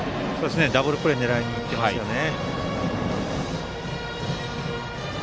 ダブルプレーを狙いに行ってますね。